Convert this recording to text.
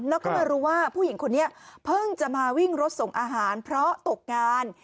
แล้วก็มารู้ว่าผู้หญิงคนนี้เพิ่งจะมาวิ่งรถส่งอาหารเพราะตกงาน